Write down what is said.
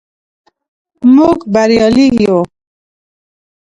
موږ بریالي یو.